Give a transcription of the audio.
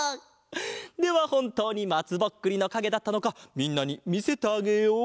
ではほんとうにまつぼっくりのかげだったのかみんなにみせてあげよう！